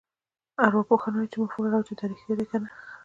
ارواپوهان وايي چې موږ فکر کوو چې دا رېښتیا دي کنه.